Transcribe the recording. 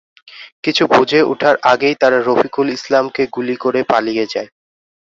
কিছু বুঝে ওঠার আগেই তারা রফিকুল ইসলামকে গুলি করে পালিয়ে যায়।